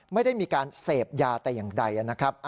ไม่ได้มีการเสพยาแต่อย่างใดนะครับ